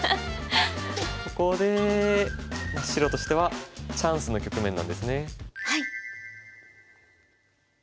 ここで白としてはチャンスの局面なんですね。